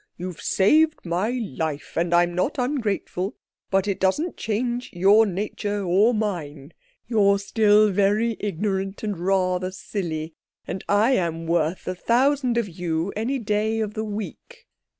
You've saved my life—and I'm not ungrateful—but it doesn't change your nature or mine. You're still very ignorant, and rather silly, and I am worth a thousand of you any day of the week."